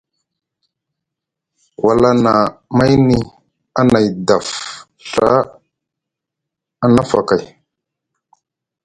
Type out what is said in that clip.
Wala na mayni anay daf Ɵa a nafa kay.